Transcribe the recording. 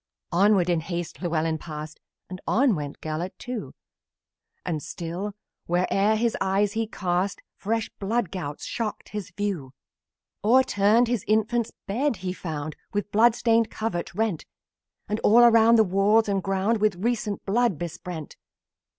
Onward in haste Llewellyn passed, And on went Gelert, too, And still, where'er his eyes were cast, Fresh blood gouts shocked his view. O'erturned his infant's bed he found, The blood stained covert rent; And all around, the walls and ground, With recent blood besprent.